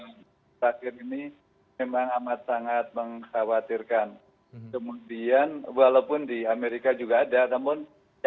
itu terpercaya dengan sering perempuan orili me shine valley